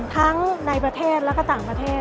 ทั้งในประเทศและก็ต่างประเทศ